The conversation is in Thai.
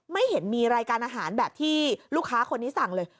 ไม่เห็นมีรายการอาหารแบบที่ลูกค้าคนนี้สั่งเลย